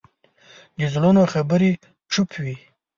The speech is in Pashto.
د زړونو خبرې چوپ وي